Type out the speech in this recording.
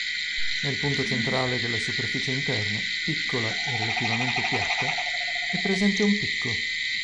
Nel punto centrale della superficie interna, piccola e relativamente piatta, è presente un picco.